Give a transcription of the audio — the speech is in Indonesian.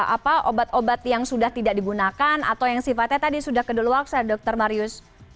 apa obat obat yang sudah tidak digunakan atau yang sifatnya tadi sudah kedeluwaksa dokter marius